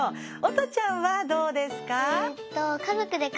音ちゃんはどうですか？